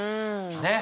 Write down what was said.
ねっ！